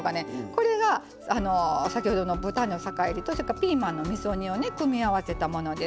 これが先ほどの豚肉の酒いりとそれからピーマンのみそ煮をね組み合わせたものです。